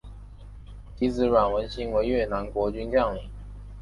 其子阮文馨为越南国军将领。